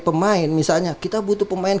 pemain misalnya kita butuh pemain